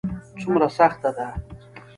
څومره سخته ده ؟